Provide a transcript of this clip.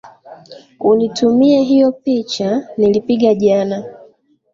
Unitumie hiyo picha nilipiga jana